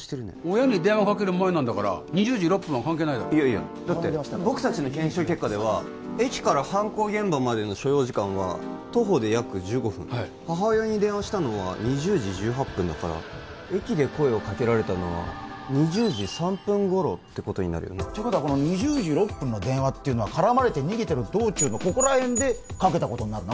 親に電話かける前なんだから２０時６分は関係ないだろいやいやだって僕達の検証結果では駅から犯行現場までの所要時間は徒歩で約１５分母親に電話したのは２０時１８分だから駅で声をかけられたのは２０時３分頃ってことになるよねってことはこの２０時６分の電話っていうのは絡まれて逃げてる道中のここら辺でかけたことになるな